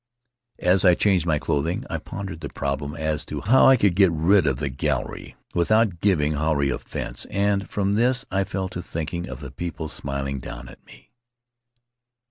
As I changed my clothing I pondered the problem as to how I could get rid of the gallery without giving Huirai offense, and from this I fell to thinking of the people smiling down at me.